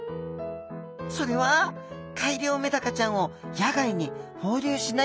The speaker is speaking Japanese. それは改良メダカちゃんを野外に放流しないこと。